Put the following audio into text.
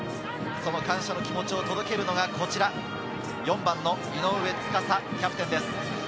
感謝の気持ちを届けるのがこちら、４番・井上斗嵩キャプテンです。